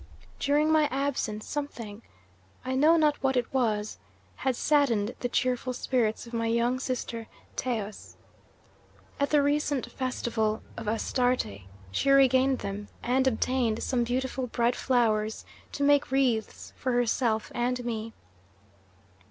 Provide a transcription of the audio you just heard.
"During my absence something I know not what it was had saddened the cheerful spirits of my young sister Taus. At the recent festival of Astarte she regained them, and obtained some beautiful bright flowers to make wreaths for herself and me.